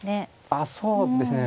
あそうですね。